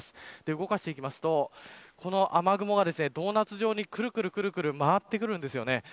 動かしていきますとこの雨雲がドーナツ状にくるくる回ってくるんです。